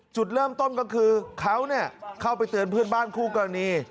จุดเริ่มต้นก็คือเขาเข้าไปเตือนเพื่อนบ้านคู่กรณี